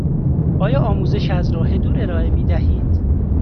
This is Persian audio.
آیا آموزش از راه دور ارائه می دهید؟